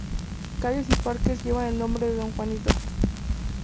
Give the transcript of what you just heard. Calles y parques llevan el nombre de "don Juanito".